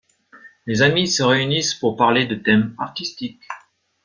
Les amis se réunissent pour parler de thèmes artistiques.